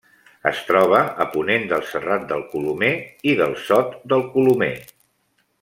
Es troba a ponent del Serrat del Colomer i del Sot del Colomer.